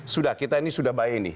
sudah kita ini sudah by ini